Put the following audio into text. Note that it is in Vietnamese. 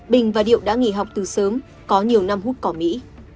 bình và điệu đã nghỉ học từ sớm có nhiều năm hút cỏ mỹ